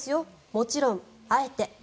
もちろん、あえて。